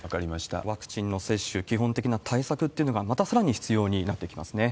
ワクチンの接種、基本的な対策っていうのが、またさらに必要になってきますね。